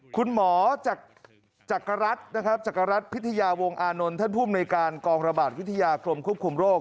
คุณหมอจักรรัฐพิทยาวงอานนท์ท่านผู้มนตรกองระบาดวิทยากลมควบคุมโรค